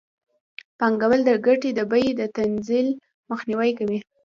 پانګوال د ګټې د بیې د تنزل مخنیوی کوي